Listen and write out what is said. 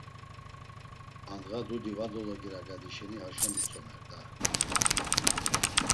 Andğa dudi va dologiragadi şeni haşo mitzomer da!